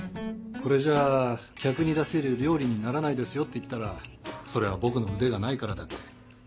「これじゃ客に出せる料理にならないですよ」って言ったら「それは僕の腕がないからだ」って。